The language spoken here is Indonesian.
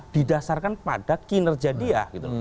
didasarkan pada kinerja dia